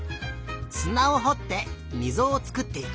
すなをほってみぞをつくっていく。